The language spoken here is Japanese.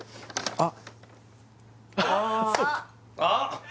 あっ！